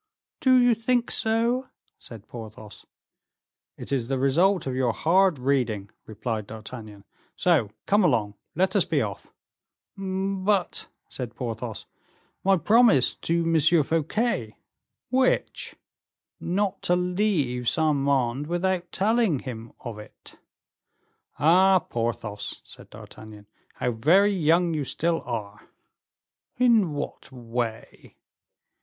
"Do you think so?" said Porthos. "It is the result of your hard reading," replied D'Artagnan. "So come along, let us be off." "But," said Porthos, "my promise to M. Fouquet?" "Which?" "Not to leave Saint Mande without telling him of it." "Ah! Porthos," said D'Artagnan, "how very young you still are." "In what way?"